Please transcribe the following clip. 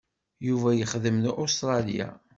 Yuba yexdem deg Ustṛalya.